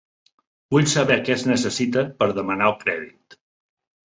Vull saber què es necessita per demanar el crèdit.